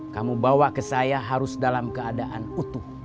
kamu bawa ke saya harus dalam keadaan utuh